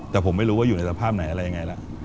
แต่ผมไม่รู้ว่าอยู่ในสภาพไหนอะไรยังไงล่ะ